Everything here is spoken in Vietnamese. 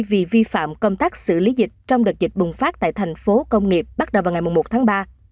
vì vi phạm công tác xử lý dịch trong đợt dịch bùng phát tại thành phố công nghiệp bắt đầu vào ngày một tháng ba